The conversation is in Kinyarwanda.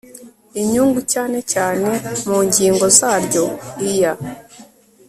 inyungu cyane cyane mu ngingo zaryo iya